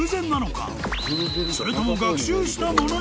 ［それとも］